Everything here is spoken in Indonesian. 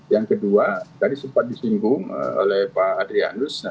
yang kedua tadi sempat disinggung oleh pak adrianus